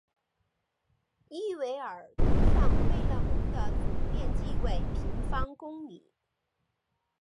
伊韦尔东上贝勒蒙的总面积为平方公里。